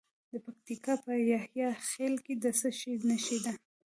د پکتیکا په یحیی خیل کې د څه شي نښې دي؟